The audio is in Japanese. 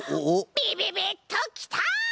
ビビビッときた！